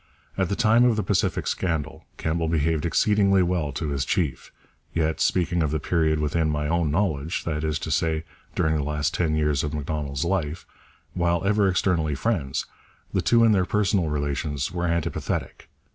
At the time of the Pacific Scandal, Campbell behaved exceedingly well to his chief. Yet, speaking of the period within my own knowledge that is to say, during the last ten years of Macdonald's life while ever externally friends, the two in their personal relations were antipathetic.